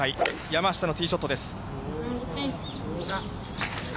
山下のティーショットです。